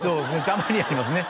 たまにありますね